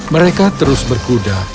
mereka terus berkuda